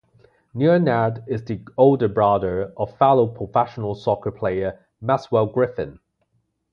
Leonard is the older brother of fellow professional soccer player Maxwell Griffin.